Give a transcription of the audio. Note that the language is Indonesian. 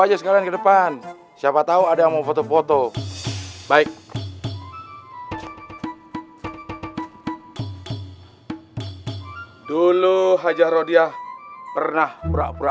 aja sekarang ke depan siapa tahu ada yang mau foto foto baik dulu hajah rodiah pernah pura pura